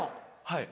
はい。